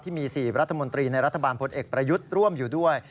ที่มี๔รัฐมนตรีในรัฐบาลพลเอกประยุทธ์ร่วมอยู่ด้วย